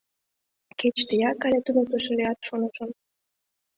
Кеч тияк але туныктышо лият, шонышым.